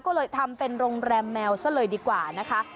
ก็เลยทำเป็นโรงแรมแมวซะเลยดีกว่านะคะ